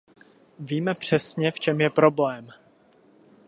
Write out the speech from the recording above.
Víme přesně, v čem je problém.